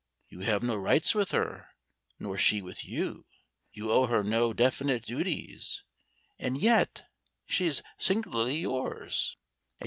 You have no rights with her, nor she with you; you owe her no definite duties, and yet she is singularly yours.